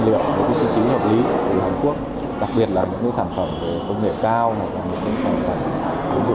liệu với chi phí hợp lý của hàn quốc đặc biệt là những sản phẩm công nghệ cao hoặc sản phẩm ví dụ